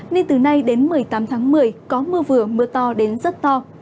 nên từ nay đến một mươi tám tháng một mươi có mưa vừa mưa to đến rất to